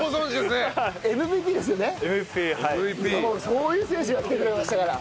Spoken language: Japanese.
そういう選手が来てくれましたから。